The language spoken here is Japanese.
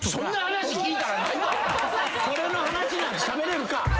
これの話なんてしゃべれるか！？